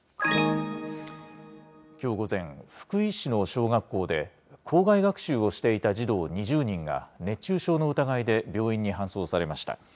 きょう午前、福井市の小学校で、校外学習をしていた児童２０人が熱中症の疑いで病院に搬送されました。